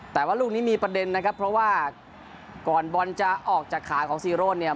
แต่ว่าลูกนี้มีประเด็นนะครับเพราะว่าก่อนบอลจะออกจากขาของซีโรดเนี่ย